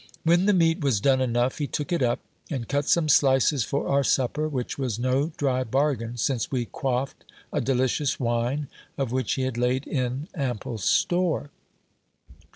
When the meat was done enough he took it up, and cut some slices for our supper, which was no dry bargain, since we quaffed a delicious wine, of which he had laid in ample store.